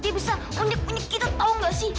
dia bisa unyek unyek kita tau nggak sih